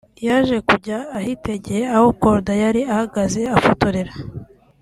yaje kujya ahitegeye aho Korda yari ahagaze afotorera